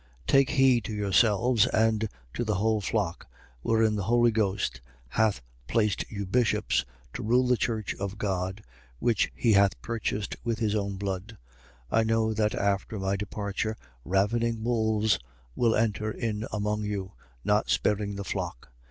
20:28. Take heed to yourselves and to the whole flock, wherein the Holy Ghost hath placed you bishops, to rule the Church of God which he hath purchased with his own blood. 20:29. I know that after my departure ravening wolves will enter in among you, not sparing the flock.